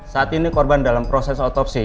saat ini korban dalam proses otopsi